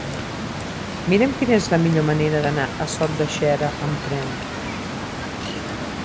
Mira'm quina és la millor manera d'anar a Sot de Xera amb tren.